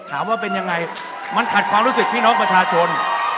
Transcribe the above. ถามว่าเป็นยังไงมันขัดความรู้สึกพี่น้องประชาชน